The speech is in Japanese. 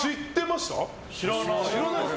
知らない。